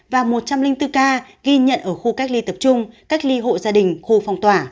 và một trăm linh bốn ca ghi nhận ở khu cách ly tập trung cách ly hộ gia đình khu phong tỏa